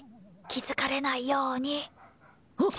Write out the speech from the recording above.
気づかれないように。